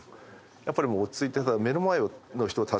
やっぱり落ち着いて。